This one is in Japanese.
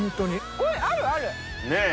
これあるある！ねえ。